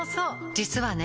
実はね